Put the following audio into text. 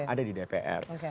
ada di dpr